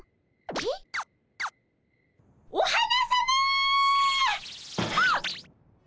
おっお花さま！